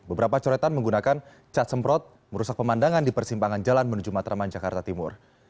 beberapa coretan menggunakan cat semprot merusak pemandangan di persimpangan jalan menuju matraman jakarta timur